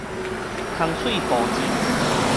空嘴哺舌